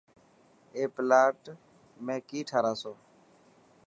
ائي پلاٽ ۾ ڪي ٺاراسو.